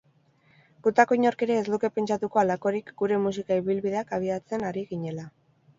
Gutako inork ere ez luke pentsatuko halakorik gure musika ibilbideak abiatzen ari ginela.